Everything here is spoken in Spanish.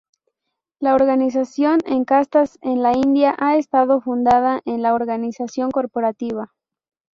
La organización en castas en la India ha estado fundada en la organización corporativa.